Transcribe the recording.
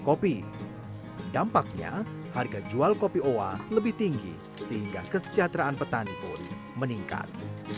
kopi dampaknya harga jual kopi owa lebih tinggi sehingga kesejahteraan petani pun meningkat